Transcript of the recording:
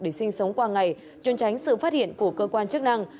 để sinh sống qua ngày trôn tránh sự phát hiện của cơ quan chức năng